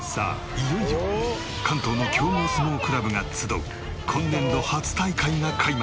いよいよ関東の強豪相撲クラブが集う今年度初大会が開幕。